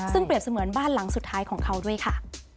ซึ่งเปรียบเสมือนบ้านหลังสุดท้ายของเขาด้วยค่ะ